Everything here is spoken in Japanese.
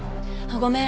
ごめん。